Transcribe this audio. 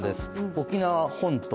沖縄本島。